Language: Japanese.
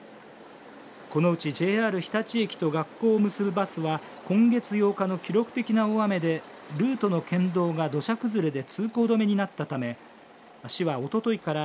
このうちＪＲ日立駅と学校を結ぶバスは今月８日の記録的な大雨でルートの県道が土砂崩れで通行止めになったため市は、おとといから